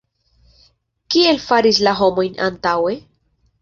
Kiel faris la homojn antaŭe?